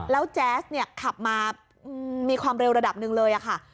แล้วแจ๊สเนี่ยขับมามีความเร็วระดับหนึ่งเลยค่ะ